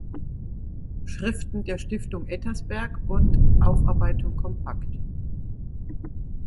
Schriften der Stiftung Ettersberg" und "Aufarbeitung Kompakt".